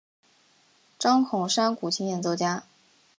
张孔山古琴演奏家。